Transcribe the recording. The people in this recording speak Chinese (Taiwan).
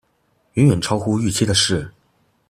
遠遠超乎預期的事